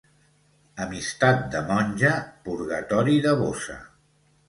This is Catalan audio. Amistat de monja, purgatori de bossa.